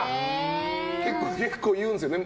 結構、言うんですよね